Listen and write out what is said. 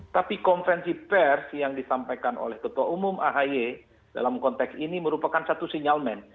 tapi konferensi pers yang disampaikan oleh ketua umum ahi dalam konteks ini merupakan satu sinyalmen